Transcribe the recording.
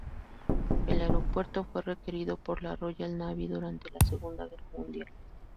El aeropuerto fue requerido por la Royal Navy durante la Segunda Guerra Mundial.